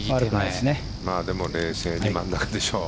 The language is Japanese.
でも、冷静に真ん中でしょう。